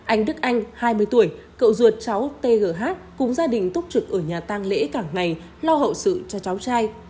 anh đức anh hai mươi tuổi cậu ruột cháu tgh cùng gia đình túc trực ở nhà tăng lễ cảng này lo hậu sự cho cháu trai